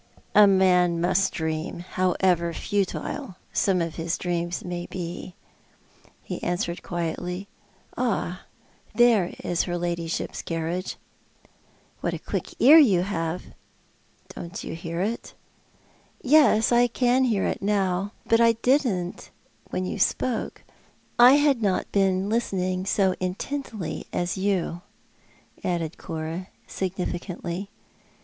"A man must dream, however futile some of his dreams may be," he answered quietly. "Ah, there is her ladyship's carriage." " What a quick ear you have." " Don't you hear it ?"" Yes, I can hear it now ; but I didn't when you spoke. I had not been listening so intently as you," added Cora, significantly.